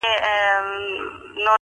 هغه بل وویل شنو ونو څه جفا کړې وه؟!.